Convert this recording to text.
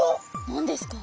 何ですか？